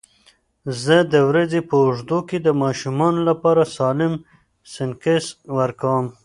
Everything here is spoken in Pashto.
زه د ورځې په اوږدو کې د ماشومانو لپاره سالم سنکس ورکوم.